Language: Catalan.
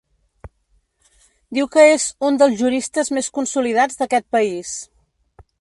Diu que és ‘un dels juristes més consolidats d’aquest país’.